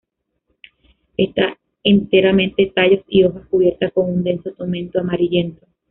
Está enteramente, tallos y hojas, cubierta con un denso tomento amarillento.